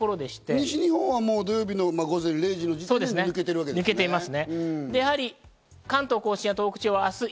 西日本は土曜日の午前０時の時点で抜けてるわけですね。